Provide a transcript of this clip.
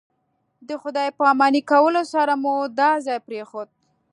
د خدای پاماني کولو سره مو دا ځای پرېښود.